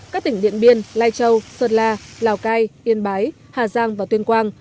các tỉnh điện biên lai châu sơn la lào cai yên bái hà giang và tuyên quang